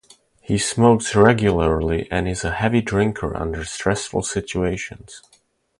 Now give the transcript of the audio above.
He smokes regularly and is a heavy drinker under stressful situations.